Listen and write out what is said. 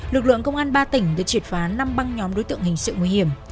lực lượng công an ba tỉnh được triệt phán năm băng nhóm đối tượng hình sự nguy hiểm